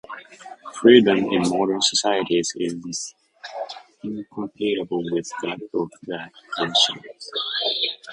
Freedom in modern societies is incompatible with that of the ancients.